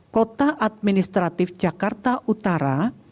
kota administratif jakarta utara